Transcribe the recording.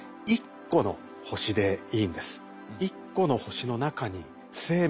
１個の星でいいんです。